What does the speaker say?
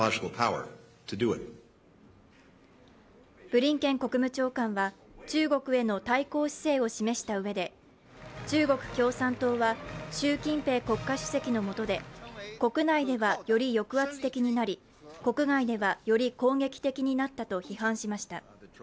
ブリンケン国務長官は中国への対抗姿勢を示したうえで中国共産党は習近平国家主席の下で国内ではより抑圧的になり国外ではより攻撃的になったと批判しました。